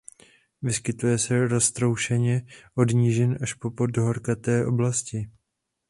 Vyskytuje se roztroušeně od nížin až po podhorské oblasti.